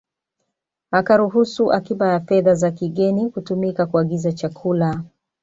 Akaruhusu akiba ya fedha za kigeni kutumika kuagiza chakula